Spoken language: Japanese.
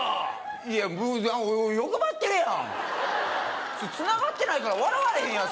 いや欲張ってるやんそれつながってないから笑われへんやん